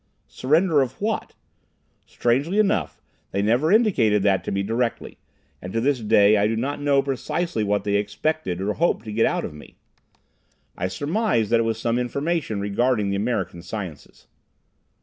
Surrender of what? Strangely enough, they never indicated that to me directly, and to this day I do not know precisely what they expected or hoped to get out of me. I surmise that it was information regarding the American sciences.